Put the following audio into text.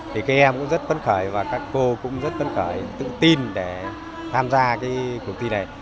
thì các em cũng rất phấn khởi và các cô cũng rất phấn khởi tự tin để tham gia cái cuộc thi này